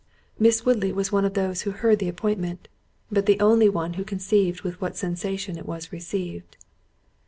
Miss Woodley was one of those who heard the appointment, but the only one who conceived with what sensation it was received.